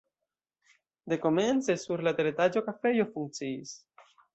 Dekomence sur la teretaĝo kafejo funkciis.